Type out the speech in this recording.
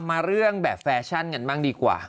มาเรื่องแบบแฟชั่นกันบ้างดีกว่า